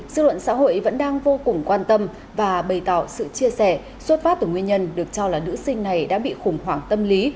dư luận xã hội vẫn đang vô cùng quan tâm và bày tỏ sự chia sẻ xuất phát từ nguyên nhân được cho là nữ sinh này đã bị khủng hoảng tâm lý